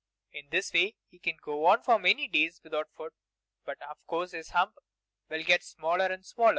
In this way he can go for many days without food, but of course his hump will get smaller and smaller.